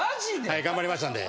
はい頑張りましたんで。